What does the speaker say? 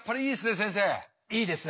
いいですね。